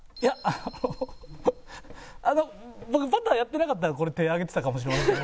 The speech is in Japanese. あの僕パターやってなかったらこれ手挙げてたかもしれません。